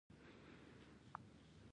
د ونډو بازار په تورنټو کې دی.